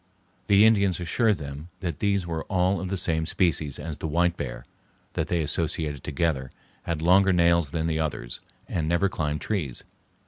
The Indians assured them that these were all of the same species as the white bear, that they associated together, had longer nails than the others, and never climbed trees.